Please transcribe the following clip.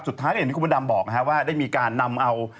สุดท้ายเห็นที่คุณบัดดำบอกนะฮะว่าได้มีการนำเอา